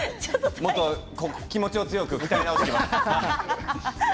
もっと気持ちを強く鍛え直してきます。